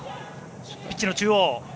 ピッチの中央。